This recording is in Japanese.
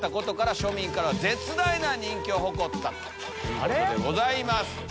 庶民からは絶大な人気を誇ったということでございます。